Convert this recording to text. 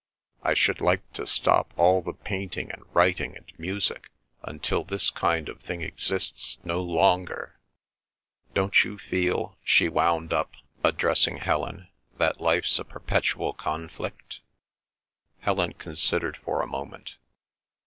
I should like to stop all the painting and writing and music until this kind of thing exists no longer.' Don't you feel," she wound up, addressing Helen, "that life's a perpetual conflict?" Helen considered for a moment.